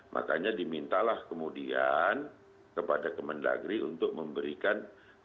makanya dimintalah kemudian kepada kemendagri untuk memberikan